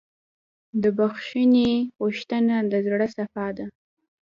د بښنې غوښتنه د زړه صفا ده.